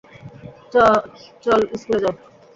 চল স্কুলে যাও।